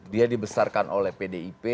dia dibesarkan oleh pdip